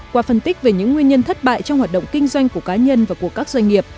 qua phân tích về những nguyên nhân thất bại trong hoạt động kinh doanh của cá nhân và của các doanh nghiệp